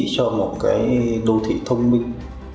cho một cái đô thị thông minh